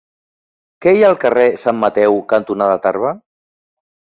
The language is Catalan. Què hi ha al carrer Sant Mateu cantonada Tarba?